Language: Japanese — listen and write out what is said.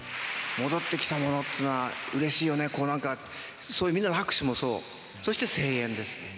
戻ってきたよっていうのはうれしいよね、こう、なんかみんなの拍手もそう、そして声援です。